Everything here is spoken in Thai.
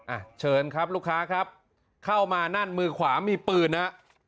อ่ะเชิญครับลูกค้าครับเข้ามานั่นมือขวามีปืนฮะ